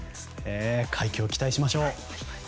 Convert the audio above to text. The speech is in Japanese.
快挙を期待しましょう。